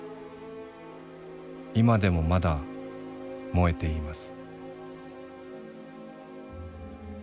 今でもまだ燃えてゐます」。